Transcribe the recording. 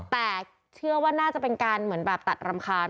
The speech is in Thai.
แต่เชื่อว่าน่าจะเป็นการตัดรำคาญ